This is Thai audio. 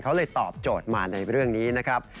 เขาเลยตอบโจทย์มาในเรื่องนี้นะครับ